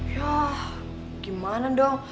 yah gimana dong